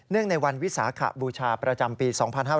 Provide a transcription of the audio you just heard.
เนื่องในวันวิสาขบูชาประจำปี๒๕๖๑